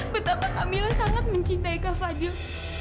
betapa kamila sangat mencintai kak fadil